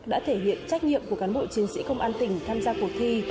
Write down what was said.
đã thể hiện trách nhiệm của cán bộ chiến sĩ công an tỉnh tham gia cuộc thi